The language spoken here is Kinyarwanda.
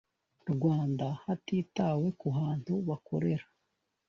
rwanda hatitawe ku hantu bakorera